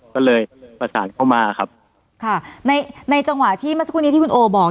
ก็เลยประสานเข้ามาครับ